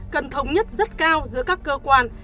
cần thống nhất rất cao giữa các cơ quan